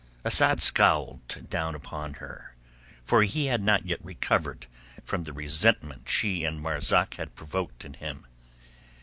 Asad scowled down upon her, for he had not yet recovered from the resentment she and Marzak had provoked in him.